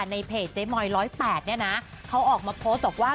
ในเพจเจ๊มอย๑๐๘เนี่ยนะเขาออกมาโพสต์บอกว่า